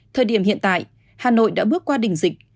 thời điểm hiện tại hà nội đã bước qua đỉnh dịch